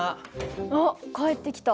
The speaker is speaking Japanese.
あっ帰ってきた。